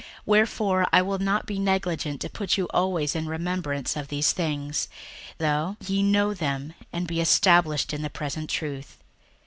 61:001:012 Wherefore I will not be negligent to put you always in remembrance of these things, though ye know them, and be established in the present truth.